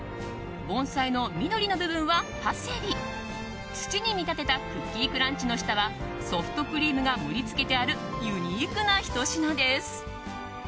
盆栽の緑の部分はパセリ土に見立てたクッキークランチの下はソフトクリームが盛り付けてあるユニークなひと品です。